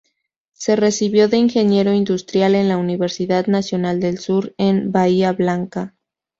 Se recibió de Ingeniero industrial en la Universidad Nacional del Sur, en Bahía Blanca.